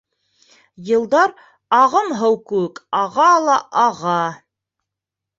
Йылдар ағым һыу кеүек аға ла аға.